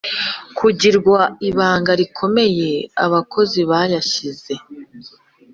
kugirwa ibanga rikomeye Abakozi bayashyize